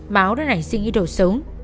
mão đã nảy suy nghĩ đồ sống